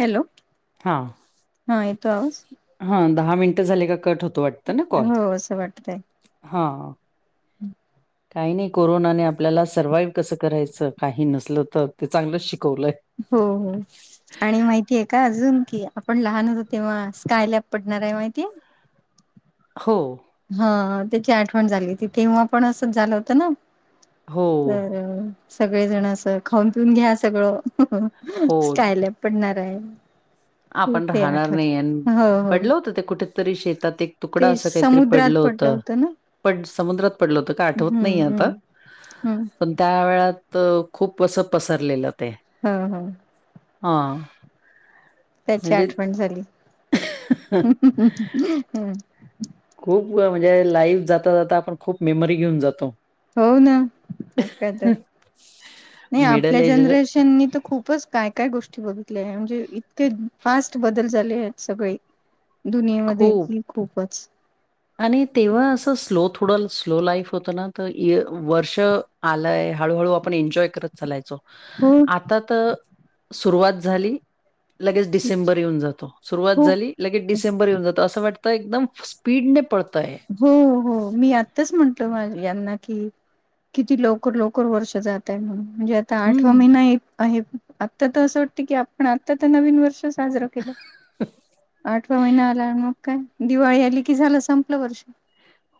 Hello. हा, येतो आवाज? हा. दहा मिनिटं झाले का, कट होतो वाटतं ना कॉल. हो हा. हम्. काही, नाही. कोरोनाने आपल्याला, सर्वाइव्ह कसं करायचं? काही नसलं तर, ते चांगलं शिकवलंय. हो, हो. आणि माहितेय का? अजून कि, आपण लहान होतो तेव्हा, स्काय लॅब पडणारय. माहितीय? हो. हा, त्याची आठवण झाली होती. तेव्हा पण असंच झालं होतं ना. हो हं, हं. सगळे जण अस, खाऊन- पिऊन घ्या, सगळं. हो स्टाय लॅब पडणाराय. आपण राहणार नाही अन्, पडलं होतं ते कुठ तरी, शेतात एक तुकडा. ते असं काहीतरी पडलं समुद्रात होतं. ना पड समुद्रात पडलं होतं का? आठवत नाही आता. ह. पण त्या वेळात, खूप असं पसरलेलं ते. हम्, हम. हां. त्याची म्हणजे आठवण झाली. हम् [unintelligible] खूप व म्हणजे, लाईव्ह जाता - जाता आपण, खूप मेमरी घेऊन जातो. हो, ना. मग काय तर. नाही मिडल आपल्या एज जनरेशननी तर, खूपचं काय- काय गोष्टी बघितल्या. म्हणजे, इतके फास्ट बदल झालेयत सगळे दुनियेमध्ये, खूप ही खूपच. आणि तेव्हा असं, स्लो थोडं स्लो लाईफ होतं ना. तर ए वर्ष आलय. हळूहळू आपण एन्जॉय करत चालायचो. हो आता त सुरुवात झाली लगेच, डिसेंबर येऊन जातो. सुरुवात हो झाली लगेच डिसेंबर येऊन जातो. असं वाटतंय, एकदम स्पीडनेे पळतय. हो, हो. मी आत्ताच म्हंटल, माझ यांना की किती लवकर, लवकर वर्ष जाता आहे म्हणून म्हणजे, आता आठवा हम्म महिना ऐत आहे. आता त असं वाटतंय की आपण आता त नवीन वर्ष साजरं केलं. आठवा महिना आला मग काय, दिवाळी आली की झाला संपलं वर्षं.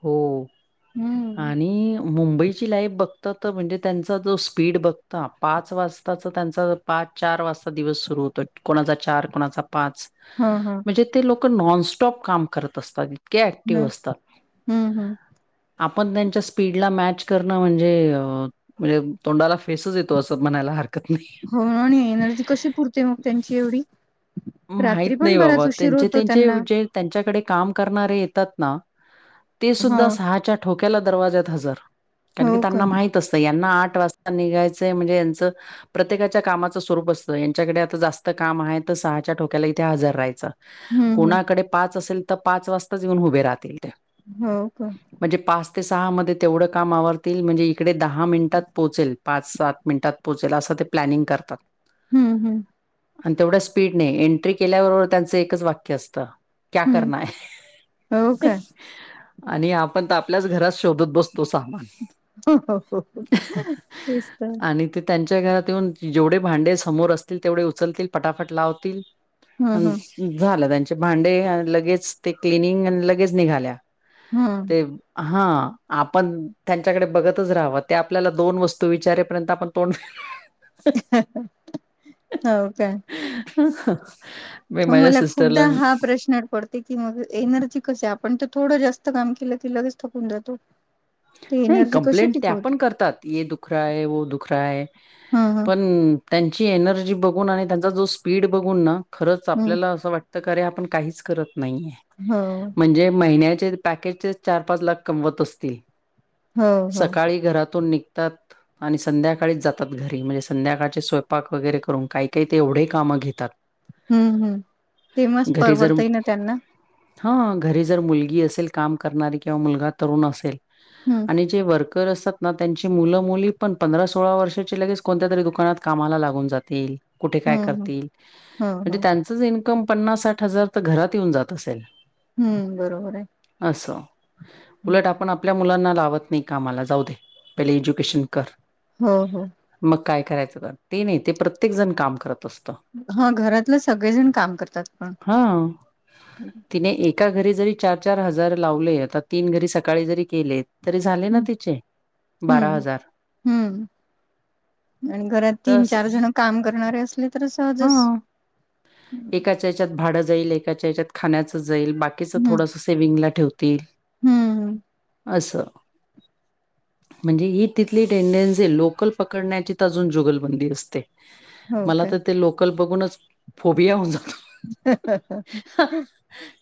हो आणि मुंबईची लाईफ बघता त म्हणजे त्यांचा जो स्पीड बघता, पाच वाजताच त्यांचा पाच चार वाजता दिवस सुरू होतो, कोणाचा चार कोणाचा पाच. हं हं! म्हणजे ते लोक नॉनस्टॉप काम करत असतात, इतके ऍक्टिव्ह असतांत. हूं हूं! आपण त्यांच्या स्पीडला मॅच करणं म्हणजे अ म्हणजे तोंडाला फेसच येतो, असं म्हणायला हरकत नाहीं. ते मग त्यांची एवढी रात्री माहित पण नाही बराच बाबा उशीर त्यांचे, होतो त्यांचे त्यांना जे त्यांच्याकडे काम करणारे येतात ना? ते हा सुद्धा सहाच्या ठोक्याला दरवाज्यात हजर कारण की हो का त्यांना माहित तसं यांना आठ वाजता निघायचं म्हणजे यांचं प्रत्येकाच्या कामाचं स्वरूप असतं, यांच्याकडे आता जास्त काम आहे त, सहाच्या ठोक्याला इथे हजर राहायचं. हम्म हम्म कोणाकडे पाच असेल त पाच वाजताच येऊन उभे राहतील त्या. हो कां. म्हणजे पाच ते सहा मध्ये तेवढं काम आवरतील, म्हणजे इकडे दहा मिनिटात पोचेल पाच सात मिनिटांत पोचेल असं ते प्लॅनिंग करतात. हूं हूं! आण तेवढ्या स्पीड ने एंट्री केल्याबरोबर त्यांचं एकच वाक्य असतं. क्या हम्म करना है? हो का आणि आपण त आपल्याच घरात शोधत बसतो सामान. हो हो हो तेच त. आणि ते त्यांच्या घरात येऊन जेवढे भांडे समोर असतील तेवढे उचलतील, पटाफट लावतील. हम्म हम्म अनं झालं त्यांचे भांडे अ लगेच ते क्लिनिंग, अन लगेच निघाल्यां. हूं! हां आपण त्यांच्याकडे बघतच राहाव, ते आपल्याला दोन वस्तू विचारेपर्यंत आपण तोंड [unintelligible] हो काय? [unintelligible] हो मला खूपदा सिस्टरला हा प्रश्न पडतो. ते की मगं एनर्जी कसे आपण त थोडं जास्त काम केलं की लगेच थकून जातो. ते नही एनर्जी कशी कंप्लेंट त्या टिकवतो पण करतात, ये दुख रहा हैं, वो दुख रहा हैं. हा हा पण त्यांची एनर्जी बघून आणि त्यांचा जो स्पीड बघून ना खरंच हम्म आपल्याला असं वाट त खरे आपण कांहीच करत नाहीये. हं! म्हणजे महिन्याचे पॅकेजचे चार, पाच लाख कमवत असतील. हो हो सकाळी घरातून निघतात. आणि संध्याकाळीच जातात घरी म्हणजे संध्याकाळचे स्वयंपाक वगैरे करून काही, काही त एवढे कामं घेतात. हूं हूं ते मस परवडतंय ना त्यांना. हं घरी जर मुलगी असेल काम करणारी किंवा मुलगा तरुण असेल हम्म आणि. जे वर्कर असतात ना त्यांची मुलं मुली पण पंधरा सोळा वर्षाचे लगेच कोणत्या तरी दुकानात. कामाला लागुण जातिल, कुठे काय हम्म हम्म करतील, हो म्हणजे हो त्यांचच इन पन्नास साठ हजार तर घरात येऊन जात असेल हम्म बरोबर आहे असं, उलट आपण आप मुलांना लावत नाही कामला जाऊ दे, पहिले एज्युकेशन कर हो हो मग काय करायचं कर ते नाही ते प्रत्येक जण काम करत असत हा घरातलं सगळेजण काम करतात पण हा तिने एका घरी जरी चार-चार हजार लावले आता तीन घरी सकाळी जरी केलेत तरी झाले ना तिचे बारा हम्म. हजार हम्म आणि घरात तर तीन-चार असं- जण काम करणारे असले तर सहजच एकाच्यात भाडं जाईल एकाच्यात खाण्याच जाईल बाकीचं हम्म थोडस सेव्हंग ला ठेवतील हम्म हम् असं म्हणजे ही तिथली टेंडेन्सी लोकल पकडण्याची अजून जुगलबंदी असते हो मला काय तर ते लोकल बघूनच फोबिया होऊन जातो ह ह ह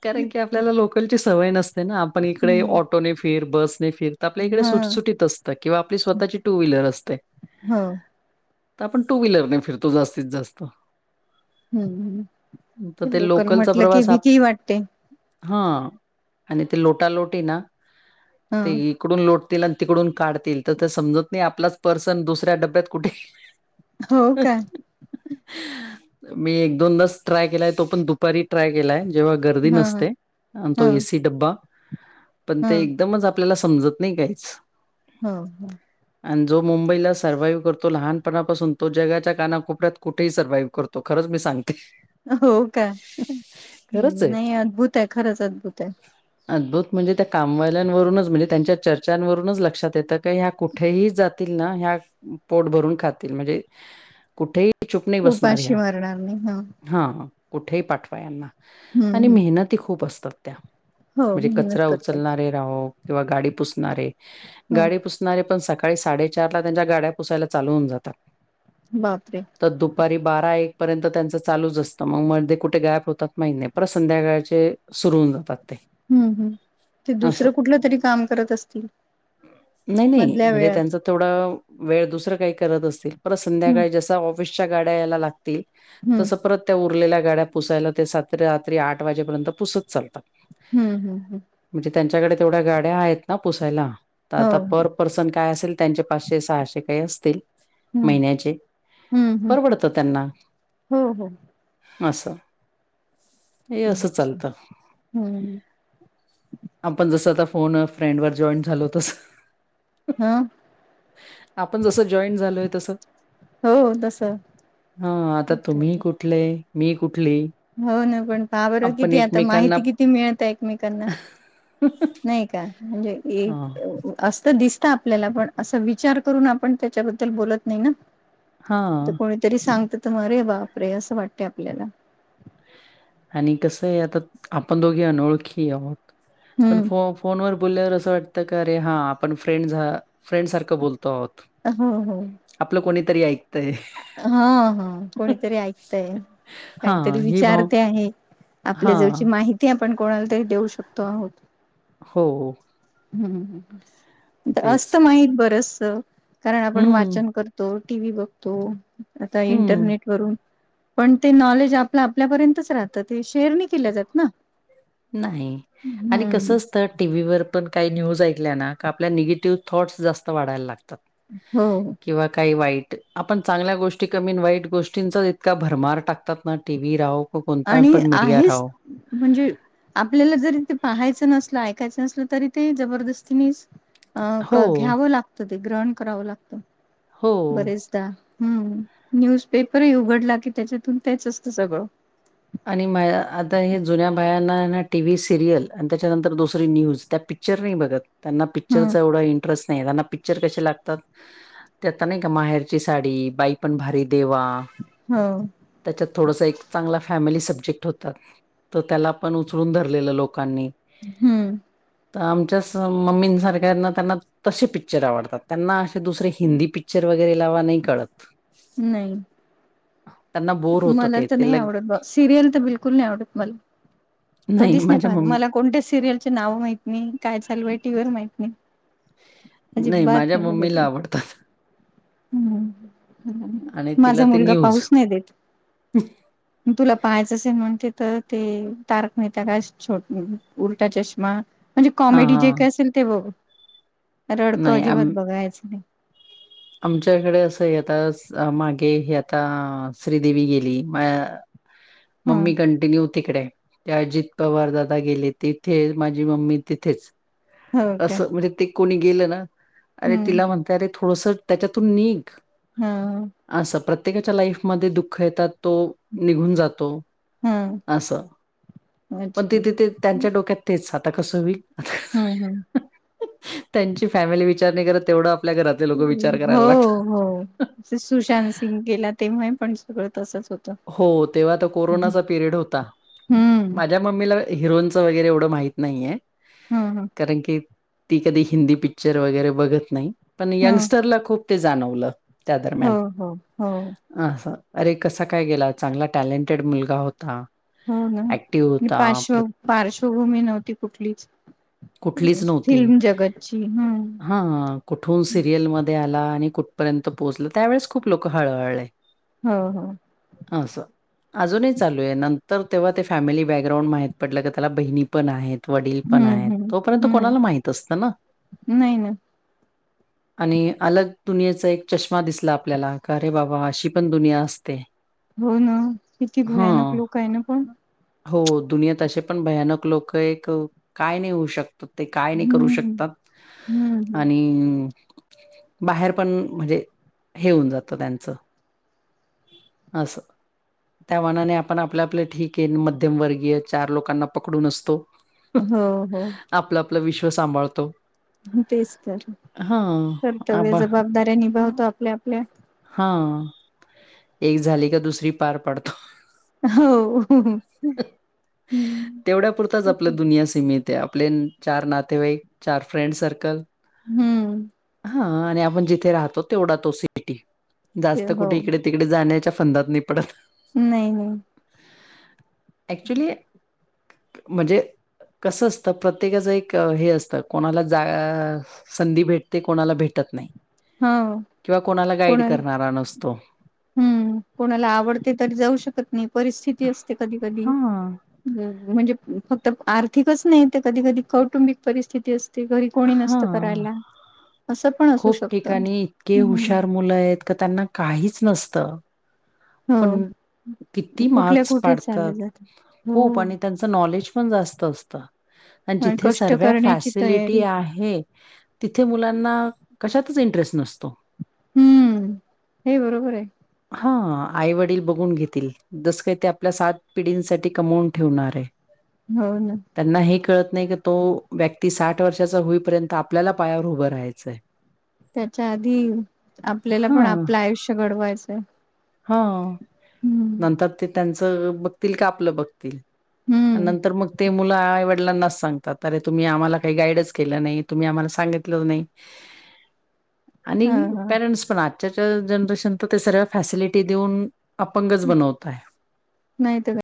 कारण की आपल्याला लोकलची सवय नसते ना आपण इकडे ऑ हम्म. ऑटोनेे फिर बसने फिर आपल्या इकडे हा सुटसुटीत असत किंवा आपली स्वतःची टूव्हीलर असते हो तर आपण टूव्हीलर ने फिरतो जास्तीत जास्त तर हम्म ते लोकल लोकलचा म्हटलं की प्रवास आप भीती ही वाटते हा आणि ते लोटालोटी ना ह ते तिकडून लोटतील आणि तिकडून काढतील तर ते समजत नाही आपलाच पर्सन दुसऱ्या डब्यात कुठे हो का मी एक दोनदाच ट्राय केलाय तो पण दुपारी ट्राय केलाय तेव्हा गर्दी ह नसते अन ह तो एसी डब्बा पण ह ते एकदमच आपल्याला समजत नाही काहीच हम् हो हो आणि जो मुंबईला सरव्हाइव करतो लहानपणापासून तो जगाच्या काना कोपऱ्यात कुठेही सर्वइव्ह करतो खरंच मी सांगते हो का खरंच आहे नाही अद्भुत आहे खरंच अद्भुत आहे अद्भुत म्हणजे त्या कामवाल्यांवरूनच म्हणजे त्यांच्या चर्चांवरूनच लक्षात येतं का ह्या कुठ कुठेही जातील ना ह्या पोट भरून खातील म्हणजे कुठेही चुप नाही बसणार उपाशी ह्या मरणार नाही ह हा कुठेही पाठवा यांना हम्म आणि हम्म मेहनत मेहनती खूप असत्यात हो म्हणजे मेहनत कचरा करतात उचलणारे किंव्हा गाडी पुसणारे ह गाडी पुस णारे पण सकाळी साडेचार ला त्यांच्या गाड्या पुसायला चालू होन जातात बाप रे तर दुपारी बारा एक पर्यंत त्यांचं चालूच असतं मग मध्ये कुठे गॅप होतात महिने परत संध्याकाळचे सुरू होऊन जातात ते हम्म हम् ते दुसरं असं. कुठलं तरी काम करत असतील नाही नाही मधल्या म्हणजे वेळात. त्यांच थोडा वेळ दुसरं काही करत असतील परत हं, संध्याकाळी जस ऑफि सच्या गाडया यायला लागतील हं, तस परत त्या उरलेल्या गाड्या पुसायला ते सात रात्री आठ वाजेपर्यंत पुसत चालतात ह, ह, ह म्हणजे त्यांच्याकडे तेवढ्या गाड्या आहेत ना पुसायला तर हो, आता हो. पर पर्सन काय असेल त्यांचे पाचशे, सहाशे काही असतील हं, महिन्याचे हं, हं. परवडत त्यांना हो, हो. असं हे असं अच्छा. चालतं हं, आपण जसं आता फोन फ्रेंड वर जॉईन झालो तस ह आपण जसं जॉईंट झालोय तसं हो, तसं. हा आता मग काय तुम्ही तर. कुठले मी कुठली हो ना पण पहा बरं आपण किती आता एकमेकांना माहिती किती मिळत एकमेकांना नाही का म्हणजे हा एक असत दिसत आपल्याला पण असं विचार करून आपण त्याच्याबद्दल बोलत नाही ना हा तर कोणीतरी सांगत तर मरे बाप रे असं वाटते आपल्याला आणि कस आहे आता आपण दोघी अनोळखी आहोत पण हं. फो फोनवर बोलल्यावर असं वाटतं क अरे हा आपण फ्रेंड झा फ्रेंड सारखं बोलतो आहोत हो, आपलं कोणीतरी ऐकतय हा, हा कोणीतरी ऐकतय हा काहीतरी ही भाव विचारते आहे हा आपल्या जेवची माहिती आपण कोणाला तरी देऊ शकतो आहोत हो, हो ह, ह तेच असत माहित बरंचस कारण आपण हम्म वाचन करत तो टी व्ही बघतो आता हम्म इंटरनेट वरून पण ते नॉलेज आपलं आपल्यापर्यंतच राहतं ते शेअर नाही केल जात ना नाही आणि कस हम्म. असत टी व्ही वर पण काही न्यूज ऐकल्या आपल्या निगेटिव्ह थॉट्स जास्त वाढायला लागतात हो किंवा काही वाईट आपण चांगल्या गोष्टी कमीन वाईट गोष्टींचा इतका भरमार टाकतात ना टी व्ही राव त कोणता आणि पण मीडिया आहेच राव म्हणजे आपल्याला जरी ते पाहायचं नसल ऐक [unintelligible] तरी ते जबरदस्तीने हो, घ्या लाग ते ग्रहण करावं लागत हो. बरेच ता हम् न्यूजपेपरही उघडला कि त्याच्यातून तेच असतं सगळं आणि माझ आता हे जुन्या बायांना ना टीव्ही सिरियल आणि त्याच्यानंतर दुसरी न्यूज त्या पिक पिक्चर नाही बघत त्यांना हम्म. पिक्चरच एवढं इंटरेस्ट नाही त्यांना पिक्चर कसे लागतात त्याता नाही का माहेरची साडी, बाई पण भारी देवा हो त्याच्यात थोडंस एक चांगला फॅमिली सब्जेक्ट होतात तर त्याला पण उचलून धरलेलं लोकांनी हम्म तर आमच्याच मम्मीं सारख्याना त्यांना तसे पिक्चर आवडतात त्यांना असे दुसरे हिंदी पिक्चर वगैरे लावा नाही कळत नाही त्यांना बोर होतं मला ते. तर ते नाही लग आवडत बा सिरियल तर बिलकुल नाही आवडत मला कधीच नाही माझ्या पहात मम्मी मला कोणत्या सिरियल नाव माहिती म काय चालूय टी व्ही वर माहीत नाही अजिबात माझ्या नाही बघत मम्मीला मी आवडतं. हम् आणि तिला माझा ते मुलगा न्यूज. पाहुच नाही देत तुला पाहायचं असेन म्हणते तर ते तारक मेहता का अस छोटू उलटा चष्मा म्हणजे हां, कॉमेडी जे काय हां. असेल ते बघ. रडकं. नाही अजिबात आम बघायचं नाही. आमच्याकडे असं येताच मागे हे आता श्रीदेवी गेली. म हं. ममी कंठ ती न्यू तिकडे ते अजित पवार दादा गेले, तिथे माझी मम्मी तिथेच. हो काय. असं म्हणजे ते कोणी गेलं ना. अरे हम्म. तिला म्हणता अरे थोडस. त्याच्यातून निघ हा. असं. प्रत्येकाच्या लाईफमध्ये दुःख येतात. तो निघून जातो हं असं. पण अच्छा. तिथे ते त्यांच्या डोक्यात तेच आता कसं होइल. हं हं त्यांची फॅमिली विचार नाही करत. तेवढं आपल्या घरातील लोक वि हो हो. सुशांत सिंग गेला तेव्हा पण सगळं तसच होत. हो. तेव्हा तर कोरोनाचा पिरियड होता. हं माझ्या मम्मीला हिरोनचं वगैरे एवढं माहित नाहीये. हं कारण की, ती कधी हिंदी पिक्चर वगैरे बघत नाही. पण हं यंगस्टरला खूप ते जाणवलं. हो हो हो. हा असा. अरे कसा काय गेला चांगला टॅलेंटेड मुलगा होता. हो ना. ऍक्टिव्ह आणि होता पार्श्व प्र- पार्श्वभूमी नव्हती कुठलीच. कुठलीच फिल्म जगातची. हम्. हा. कुठून सिरियल मध्ये आला. आणि कुठपर्यंत पोहोचला. त्यावेळेस खूप लोक हळहळले. हो हो. हा. अस. अजूनही चालू आहे. नंतर तेव्हा ते फॅमिली बॅकग्राउंड माहीत पडलं गं. त्याला बहिणी पण आहेत. वडील पण हं आहेत हं तोपर्यंत हं कोणाला माहित असतं ना. नाही ना आणि अलग दुनियेचा एक चष्मा दिसला आपल्याला, का रे बाबा अशी पण दुनिया असते. हो ना. किती भयानक हां. लोक आहे ना. पण, हो. दुनियात असे पण भयानक लोक एक. काय नाही होऊ शकत. तर ते काय नाही करू हं शकतात. हं हं. आणि बाहेर पण म्हणजे हे होऊन जातं. त्यांचं, असं. त्या मानाने आपण आपल्या आपले ठीक आहे. मध्यमवर्गीय चार लोकांना पकडून असतो. हो हो. आपलं आपलं विश्व सांभाळतो. तेच तर हा कर्तव्य आबा जबाबदाऱ्या निभावतो आपल्या आपल्या. हा एक झाली का दुसरी पार पडतो. हो हम्म तेवढ्यापुरताच ते तर आपल्या दुनिया सीमित. ते आपले चार नातेवाईक, चार फ्रेंड सर्कल. हम्म. हा आणि आपण जिथे राहतो तेवढा तो सिटी. ते जास्त हो कुठे इकडे -तिकडे जाण्याच्या फंदात नाही पडत. नाही नाही. ॲक्च्युली म्हणजे, कसं असतं प्रत्येकाचं एक हे असतं कोणांला जां संधी भेटते कोणांला भेटतं नाहीं हो किंवा कोणांला गाईड करणांरा नसतो हम्मं कोणांला आवडते तरी जाऊं शकतं नाहीं परिस्थिती असते कधीं कधीं हां. म्हणजे फक्तं आर्थिकच नाहीं ते कधीं कधीं कौटुंबिक परिस्थितीचं ते घरी कोणी नसतं हां. करायला असं पणं अंसू शकतो काहीं ठिकाणीं इतके हुशार मुलं आहेतं की त्यांना काहींचं नसतं पणं हो किती कुठल्या मार्क्स कुठे चाललं पाडतांत जात हो खूंप आणि त्यां त्यांचं नॉलेज पणं जास्तं असतं अनं आणि जिथं कष्ट सर्व करण्याची तयारी फॅशलिटी आहे हे तिथे मुलांना कशातंच इंटरेस्ट नसतो हम्मं हे बरोबर आहे हां आई वडील बघूंन घेतील जसं कांहीं ते आपल्यां सात पिढींसाठी कमवूंन ठेवूणारं आहे हो नां त्यांना हे कळतं नाहीं की तो व्यक्ती साठ वर्षाचा होईपर्यंत आपल्यांला पायांवर उभं राहायचंय त्यांच्या आंधी आपल्यांला पणं हां, आपलं आयुष्य घडवायचंय हां हम्म नंतर ते त्यांचं बघतील कां आपलं बघं हम्म नंतर मंग ते मुलं आईवडीला नां सांगतात तुम्हीं आम्हांला कांहीं गाईड केलं नाहीं तुम्हीं आम्हांला सांगितलं नाहीं ह [unintelligible] आणि हा हा पेरेंट्स पणं आंजच्याच्या जनरेशन तरं ते सर्व फॅसिलिटी देऊंन अपंगज बनवतां आहे नाहीं ते कायं